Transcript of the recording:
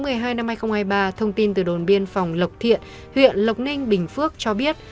ngày một mươi bốn tháng một mươi hai năm hai nghìn hai mươi ba thông tin từ đồn biên phòng lộc thiện huyện lộc ninh bình phước cho biết